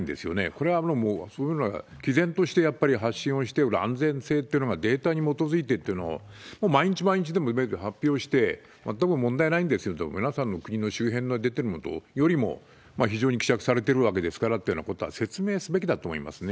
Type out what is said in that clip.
これはもうそういうのは、きぜんとしてやっぱり発信をして、安全性ってのがデータに基づいてっていうのを、毎日毎日でも発表して、全く問題ないんですよと、皆さんの国の周辺から出てるのよりも非常に希釈されてるわけですからというのは、説明すべきだと思いますね。